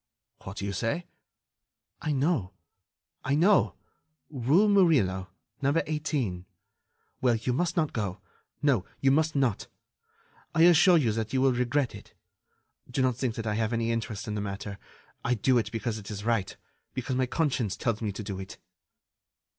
"What do you say?" "I know ... I know ... rue Murillo ... number 18. Well, you must not go ... no, you must not. I assure you that you will regret it. Do not think that I have any interest in the matter. I do it because it is right ... because my conscience tells me to do it."